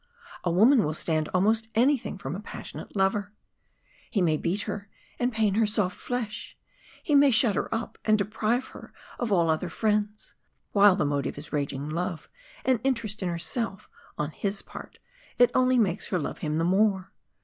A woman will stand almost anything from a passionate lover. He may beat her and pain her soft flesh; he may shut her up and deprive her of all other friends while the motive is raging love and interest in herself on his part, it only makes her love him the more.